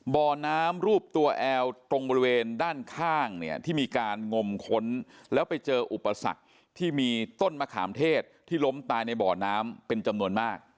บ่อน้ำรูปตัวแอลตรงบริเวณด้านข้างเนี่ยที่มีการงมค้นแล้วไปเจออุปสรรคที่มีต้นมะขามเทศที่ล้มตายในบ่อน้ำเป็นจำนวนมาก